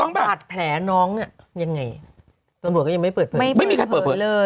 ปาดแผนน้องยังไงตำรวจก็ยังไม่เปิดเปิดไม่มีใครเปิดเปิดเลย